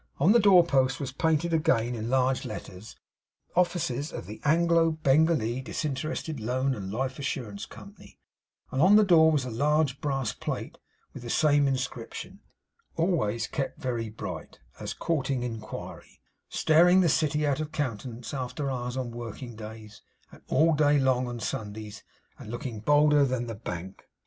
On the doorpost was painted again in large letters, 'offices of the Anglo Bengalee Disinterested Loan and Life Assurance Company,' and on the door was a large brass plate with the same inscription; always kept very bright, as courting inquiry; staring the City out of countenance after office hours on working days, and all day long on Sundays; and looking bolder than the Bank.